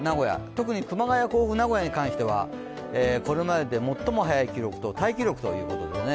特に熊谷、甲府、名古屋に関してはこれまでで最も早い記録、タイ記録ということですね。